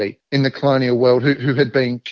yang telah dibunuh atau dibunuh